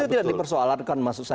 itu tidak dipersoalkan maksud saya